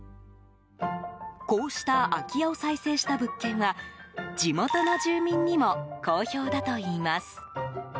こうした空き家を再生した物件は地元の住民にも好評だといいます。